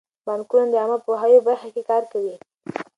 بانکونه د عامه پوهاوي په برخه کې کار کوي.